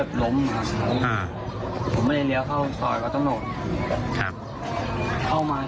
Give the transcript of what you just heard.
ผมไม่ได้เลี้ยวเข้าสอยเคราะห์ตระโมซ